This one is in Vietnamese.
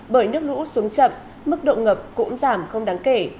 bởi nước lũ xuống chậm mức độ ngập cũng giảm không đáng kể